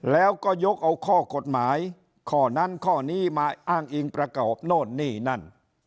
แล้วก็ยกเอาข้อกฎหมายข้อนั้นข้อนี้มาอ้างอิงประกอบโน่นนี่นั่น